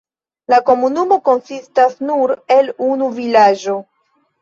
La komunumo konsistas nur el unu vilaĝo.